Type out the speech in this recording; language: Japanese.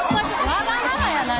わがままやない！